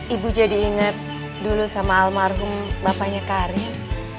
ibu jadi inget dulu sama almarhum bapanya karin